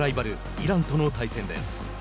イランとの対戦です。